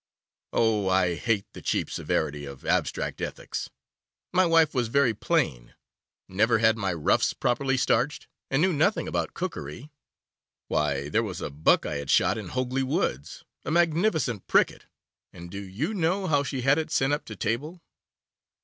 'Oh, I hate the cheap severity of abstract ethics! My wife was very plain, never had my ruffs properly starched, and knew nothing about cookery. Why, there was a buck I had shot in Hogley Woods, a magnificent pricket, and do you know how she had it sent up to table?